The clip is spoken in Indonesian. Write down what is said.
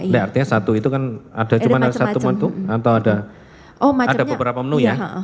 nah artinya satu itu kan ada cuma satu momentum atau ada beberapa menu ya